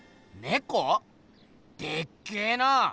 でっけえな！